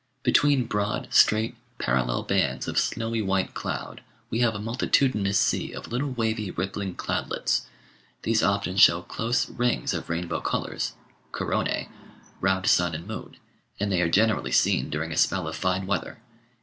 Between broad, straight, parallel bands of snowy white cloud we have a multi tudinous sea of little wavy rippling cloudlets. These often show close "rings" of rainbow colours (corona?) round sun and moon, and they are generally seen during a spell of fine weather.